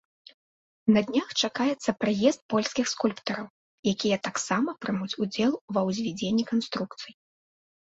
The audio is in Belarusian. На днях чакаецца прыезд польскіх скульптараў, якія таксама прымуць удзел ва ўзвядзенні канструкцый.